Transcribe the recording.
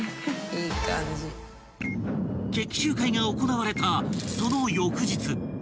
［決起集会が行われたその翌日］